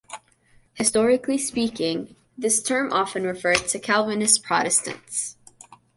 Historically speaking, this term often referred to Calvinist Protestants.